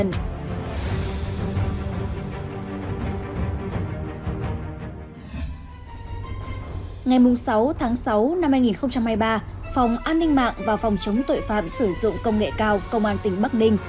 ngày sáu tháng sáu năm hai nghìn hai mươi ba phòng an ninh mạng và phòng chống tội phạm sử dụng công nghệ cao công an tỉnh bắc ninh